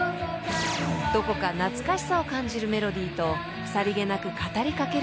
［どこか懐かしさを感じるメロディーとさりげなく語りかける歌詞］